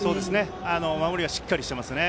守りはしっかりしています。